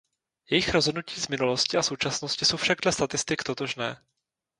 Jejich rozhodnutí z minulosti a současnosti jsou však dle statistik totožné.